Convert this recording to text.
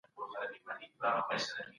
ښه ذهنیت هدف نه ځنډوي.